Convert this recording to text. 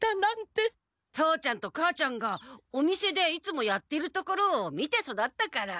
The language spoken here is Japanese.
父ちゃんと母ちゃんがお店でいつもやっているところを見て育ったから。